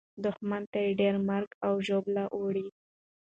دښمن ته ډېره مرګ او ژوبله اوړي.